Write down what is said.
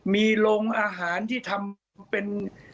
มีโรงอาหารที่ทำเป็น